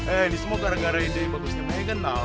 eh ini semua gara gara ide yang bagusnya megan tau